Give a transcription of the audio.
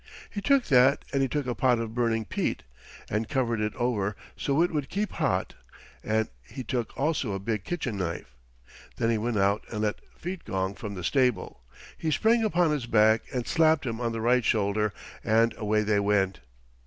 He took that and he took a pot of burning peat, and covered it over so it would keep hot; and he took also a big kitchen knife. Then he went out and led Feetgong from the stable. He sprang upon his back and slapped him on the right shoulder, and away they went.